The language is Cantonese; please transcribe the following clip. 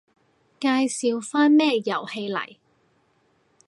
介紹返咩遊戲嚟